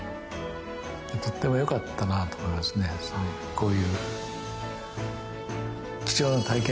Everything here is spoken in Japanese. こういう。